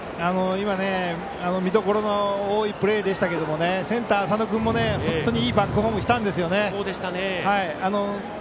今、見どころの多いプレーでしたけどもセンター浅野君もいいバックホームしたんですよね。